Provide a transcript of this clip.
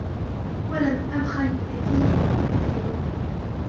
وَلَمْ أَبْخَلْ بِكَثِيرٍ أُفِيدُهُ